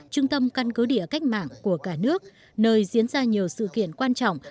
trung tâm căn cứ địa cách mạng của cả nước nơi diễn ra nhiều sự kiện quan trọng